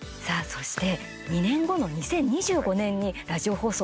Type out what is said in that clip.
そして２年後の２０２５年にラジオ放送